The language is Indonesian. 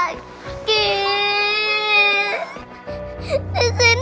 kalau keadaannya lebih tenang